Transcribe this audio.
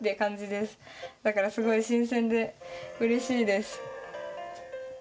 だからすごい新鮮でうれしいです。